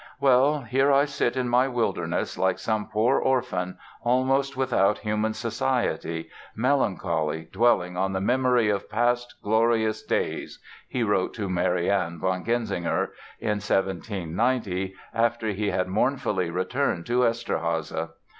"Well here I sit in my wilderness, like some poor orphan, almost without human society, melancholy, dwelling on the memory of past glorious days", he wrote to Marianne von Genzinger, in 1790, after he had mournfully returned to Eszterháza.